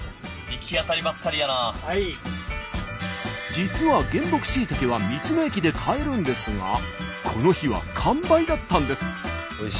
実は原木しいたけは道の駅で買えるんですがこの日は完売だったんです。